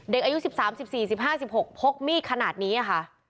เด็กอายุ๑๓๑๔๑๕๑๖พกมีดขนาดนี้ค่ะ